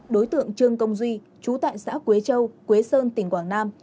đối tượng trương công duy trú tại xã quế châu quế sơn tỉnh quảng nam